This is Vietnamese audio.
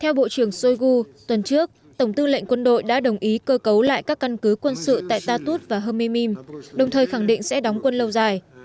theo bộ trưởng shoigu tuần trước tổng tư lệnh quân đội đã đồng ý cơ cấu lại các căn cứ quân sự tại tatud và hơme đồng thời khẳng định sẽ đóng quân lâu dài